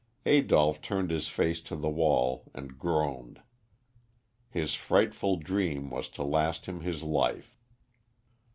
Adolph turned his face to the wall and groaned. His frightful dream was to last him his life.